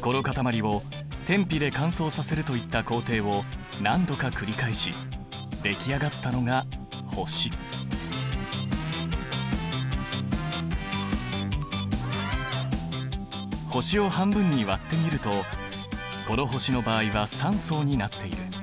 この固まりを天日で乾燥させるといった工程を何度か繰り返し出来上がったのが星を半分に割ってみるとこの星の場合は３層になっている。